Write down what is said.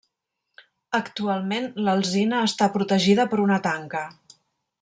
Actualment l'alzina està protegida per una tanca.